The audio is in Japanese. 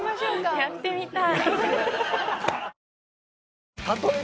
やってみたい！